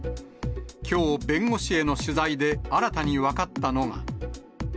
きょう、弁護士への取材で新たに分かったのが。